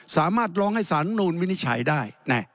สามารถร้องให้สารนูลวินิจฉัยได้